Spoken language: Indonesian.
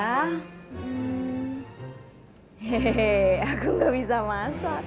hehehe aku enggak bisa masak